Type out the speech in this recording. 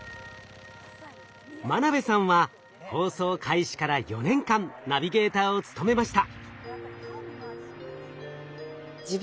眞鍋さんは放送開始から４年間ナビゲーターを務めました。